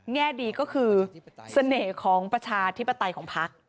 แง่ดีก็คือเสน่ห์ของประชาธิปไตยของพัก